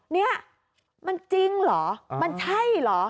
เนี่ยมันจริงเหรอมันใช่เหรอ